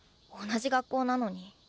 同じ学校なのに。